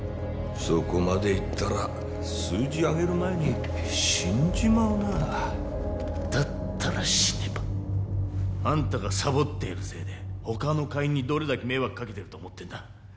そこまでいったら数字上げる前に死んじまうなあだったら死ねばあんたがサボっているせいで他の課員にどれだけ迷惑かけてると思ってんだ？